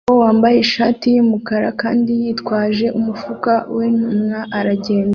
Umugabo wambaye ishati yumukara kandi yitwaje umufuka wintumwa aragenda